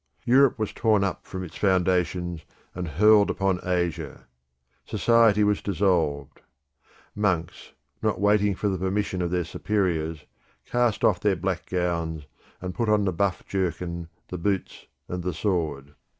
Europe was torn up from its foundations and hurled upon Asia. Society was dissolved. Monks, not waiting for the permission of their superiors, cast off their black gowns and put on the buff jerkin, the boots and the sword.